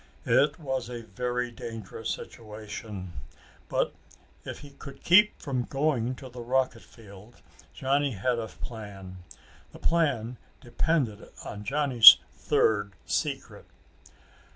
It was a very dangerous situation. But if he could keep from going to the rocket field, Johnny had a plan. The plan depended on Johnny's third secret.